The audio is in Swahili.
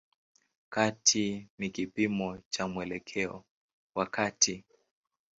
Kati ni kipimo cha mwelekeo wa kati.